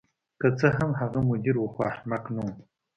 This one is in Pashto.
که څه هم هغه مدیر و خو احمق نه و